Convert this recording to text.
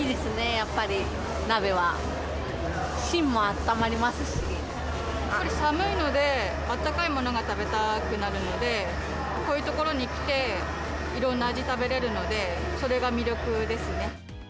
やっぱり寒いので、あったかいものが食べたくなるので、こういう所に来て、いろんな味食べれるので、それが魅力ですね。